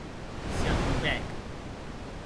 S'i apropèc.